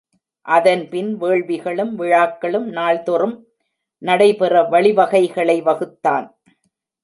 அதன்பின் வேள்விகளும், விழாக்களும் நாள்தொறும் நடைபெற வழிவகைகளை வகுத்தான்.